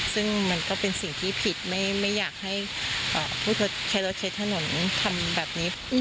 ซึ่งมันก็เป็นสิ่งที่ผิดไม่อยากให้ผู้ใช้รถใช้ถนนทำแบบนี้